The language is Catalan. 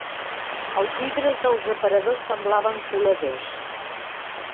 Els vidres dels aparadors semblaven coladors